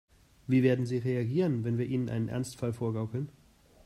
Wie werden sie reagieren, wenn wir ihnen einen Ernstfall vorgaukeln?